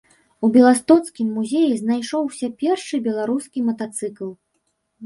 У беластоцкім музеі знайшоўся першы беларускі матацыкл.